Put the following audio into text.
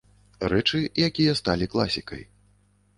Рэчы, якія сталі класікай.